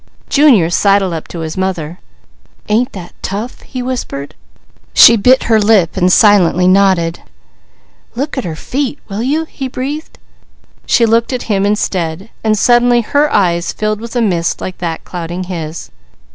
Junior sidled up to his mother. "Ain't that tough?" he whispered. She bit her lip and silently nodded. "Look at her feet, will you?" he breathed. She looked at him instead, then suddenly her eyes filled with a mist like that clouding his.